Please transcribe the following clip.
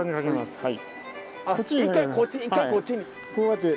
はい。